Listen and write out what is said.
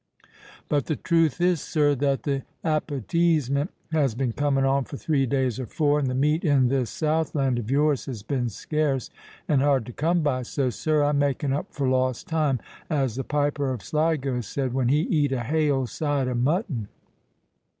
But the truth is, sir, that the appeteezement has been coming on for three days or four, and the meat in this southland of yours has been scarce, and hard to come by; so, sir, I'm making up for lost time, as the piper of Sligo said, when he eat a hail side o' mutton."